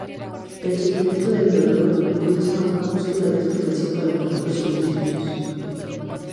El sufrimiento del dolor impulsa una búsqueda de explicación para encontrar soluciones.